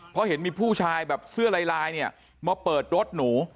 เพราะเห็นมีผู้ชายแบบเสื้อลายเนี่ยมาเปิดรถหนู